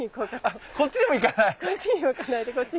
あっこっちにも行かない！